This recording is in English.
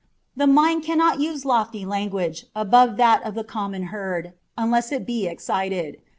The mind cannot use lofty language, above that of the common herd, unless it be excited.